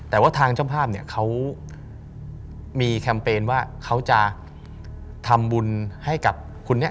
แต่ว่าทางเจ้าภาพเนี่ยเขามีแคมเปญว่าเขาจะทำบุญให้กับคุณเนี่ย